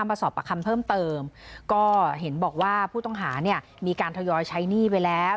มาสอบประคำเพิ่มเติมก็เห็นบอกว่าผู้ต้องหาเนี่ยมีการทยอยใช้หนี้ไปแล้ว